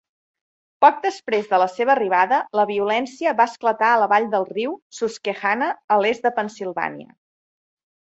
Poc després de la seva arribada, la violència va esclatar a la vall del riu Susquehanna, a l'est de Pennsilvània.